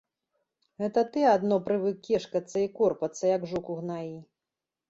Гэта ты адно прывык кешкацца і корпацца, як жук у гнаі.